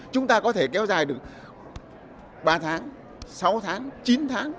chúng ta có thể kéo dài được ba tháng sáu tháng chín tháng